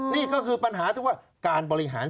นี่ก็คือปัญหาที่ว่าการบริหาร